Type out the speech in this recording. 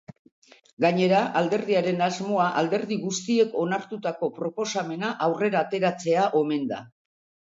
Gainera, alderdiaren asmoa alderdi guztiek onartutako proposamena aurrera ateratzea omen da.